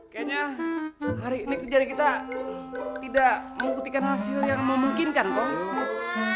kayaknya hari ini kejadian kita tidak mengukutikan hasil yang memungkinkan kok